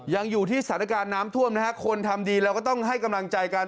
ยังอยู่ที่สถานการณ์น้ำท่วมนะฮะคนทำดีเราก็ต้องให้กำลังใจกัน